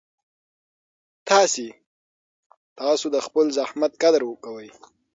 تاسو د خپل زحمت قدر کوئ.